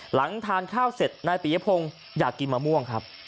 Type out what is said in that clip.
หลังทานข้าวเสร็จนายปียพงศ์อยากกินมะม่วงครับ